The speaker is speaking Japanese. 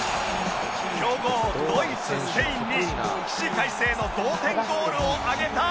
強豪ドイツスペインに起死回生の同点ゴールを挙げた